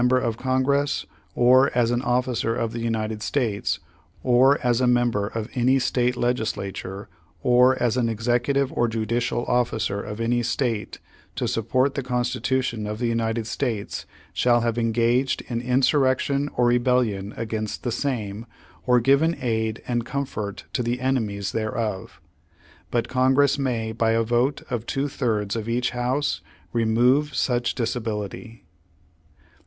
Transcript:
ber of Congress, or as an officer of the United States, or as a member of any State Legislature, or as an executive or judicial officer of any State, to support the Constitution of the United States, shall have ensaged in insurrection or rebellion against the same, or given aid and comfort to the enemies thereof. But Congress may, by vote of two thirds of each House, remove such disability.